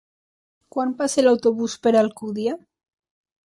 Quan passa l'autobús per Alcúdia?